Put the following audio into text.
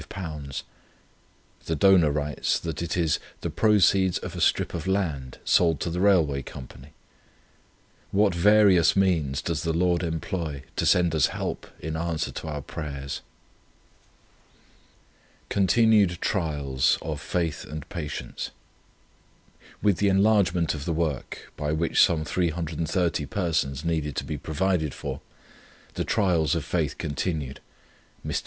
The donor writes, that it is 'the proceeds of a strip of land, sold to the railway company.' What various means does the Lord employ to send us help, in answer to our prayers!" CONTINUED TRIALS OF FAITH AND PATIENCE. With the enlargement of the work, by which some 330 persons needed to be provided for, the trials of faith continued. Mr.